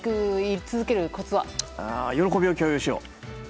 喜びを共有しよう。